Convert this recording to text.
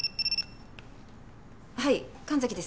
はい神崎です。